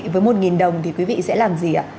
với một đồng thì quý vị sẽ làm gì ạ